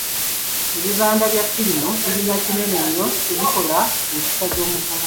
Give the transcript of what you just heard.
Ebibanda bya firimu birina kinene nnyo kyebikola ku mpisa z’omuvubuka.